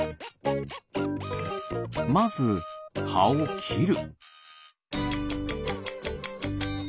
まずはをきる。